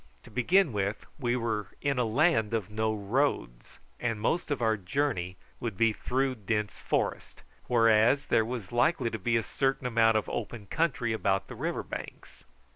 To begin with, we were in a land of no roads, and most of our journey would be through dense forest, whereas there was likely to be a certain amount of open country about the river banks.